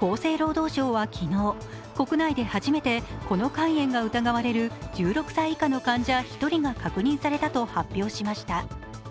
厚生労働省は昨日、国内で初めてこの肝炎が疑われる１６歳以下の患者１人が確認されたと発表しました。